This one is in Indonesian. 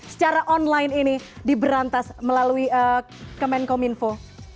secara online ini diberantas melalui kemenkom info